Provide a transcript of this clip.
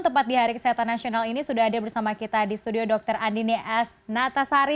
tepat di hari kesehatan nasional ini sudah ada bersama kita di studio dr andini s natasari